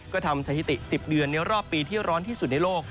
ก็ทำสถิติ๑๐เดือนในรอบปีที่ร้อนที่สุดในโลก